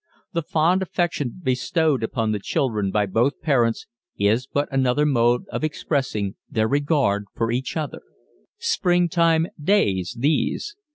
The fond affection bestowed upon the children by both parents is but another mode of expressing their regard for each other. Springtime days, these!